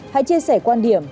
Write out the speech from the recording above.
hãy chia sẻ quan điểm